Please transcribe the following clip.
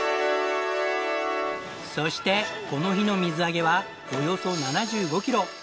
そしてこの日の水揚げはおよそ７５キロ。